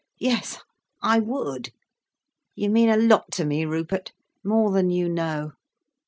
Yes, I would. You mean a lot to me, Rupert, more than you know."